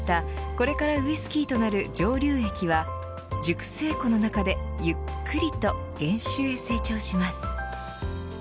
これからウイスキーとなる蒸留液は熟成庫の中で、ゆっくりと原酒へ成長します。